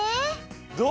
どう？